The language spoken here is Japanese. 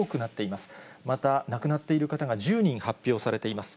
また亡くなっている方が１０人発表されています。